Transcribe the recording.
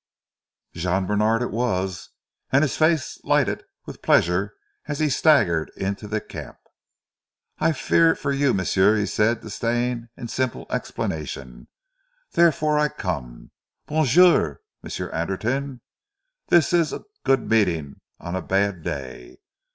Jean Bènard it was, and his face lighted with pleasure as he staggered into the camp. "I fear for you, m'sieu," he said to Stane in simple explanation, "therefore I come. Bo'jour, M'sieu Anderton, dis ees a good meeting on zee bad day!